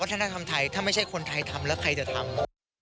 ธรรมไทยถ้าไม่ใช่คนไทยทำแล้วใครจะทำ